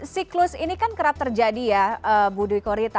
siklus ini kan kerap terjadi ya budwi korita